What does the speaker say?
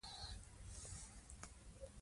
مور د کورنۍ غړو ته صحي څښاک ورکوي.